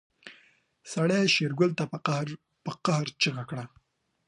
سړي شېرګل ته په قهر چيغه کړه.